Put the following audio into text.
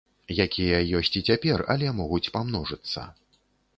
Якія ёсць і цяпер, але могуць памножыцца.